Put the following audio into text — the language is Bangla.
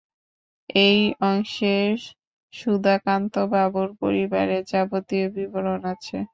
এই অংশে সুধাকান্তবাবুর পরিবারের যাবতীয় বিবরণ আছে।